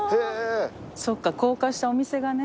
そうか高架下お店がね。